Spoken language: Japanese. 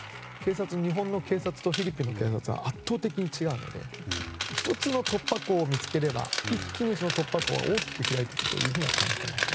日本の警察とフィリピンの警察は圧倒的に違うので１つの突破口を見つければ一気に、その突破口が大きく開いていくと感じてます。